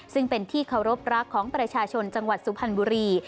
ซึ่งเป็นที่เคารพรักของประชาชนจังหวัดสุพรรณบุรี